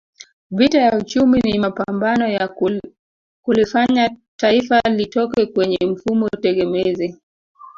Vita ya uchumi ni mapambano ya kulifanya Taifa litoke kwenye mfumo tegemezi